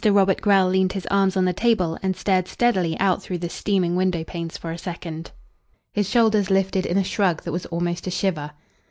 Robert Grell leaned his arms on the table and stared steadily out through the steaming window panes for a second. His shoulders lifted in a shrug that was almost a shiver.